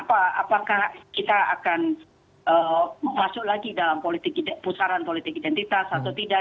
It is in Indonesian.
apakah kita akan masuk lagi dalam politik putaran politik identitas atau tidak